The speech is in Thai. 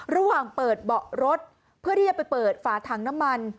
ระหว่างเปิดเบาะรถเพื่อที่จะไปเปิดฝาถังน้ำมัน